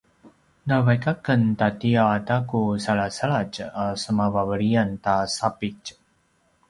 na vaik a ken tatiyaw ata ku salasaladj a sema vaveliyan ta sapitj